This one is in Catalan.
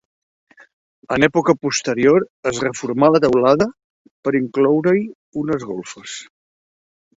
En època posterior es reformà la teulada per incloure-hi unes golfes.